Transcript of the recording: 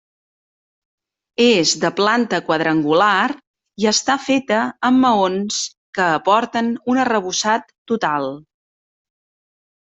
És de planta quadrangular i està feta amb maons que aporten un arrebossat total.